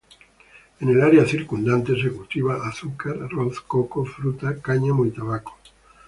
En el área circundante se cultiva azúcar, arroz, coco, fruta, cáñamo y tabaco.